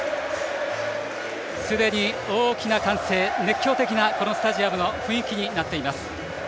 すでに大きな歓声熱狂的な、このスタジアムの雰囲気になっています。